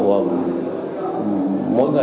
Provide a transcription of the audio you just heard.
mỗi người một việc